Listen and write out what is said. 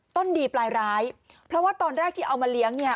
ต้นดีปลายร้ายเพราะว่าตอนแรกที่เอามาเลี้ยงเนี่ย